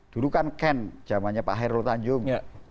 dulu kan ken zamannya pak hairul tanjung